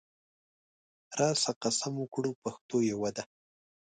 راسه قسم وکړو پښتو یوه ده